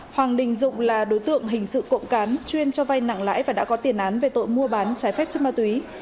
hoàng đình dụng là đối tượng hình sự cộng cán chuyên cho vay nặng lãi và đã có tiền án về tội mua bán trái phép chất ma túy